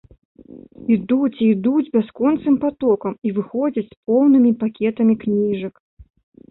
Ідуць і ідуць бясконцым патокам, і выходзяць з поўнымі пакетамі кніжак.